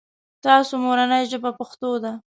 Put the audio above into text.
تاسو مورنۍ ژبه پښتو ده ؟